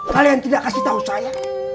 kalian tidak kasih tahu saya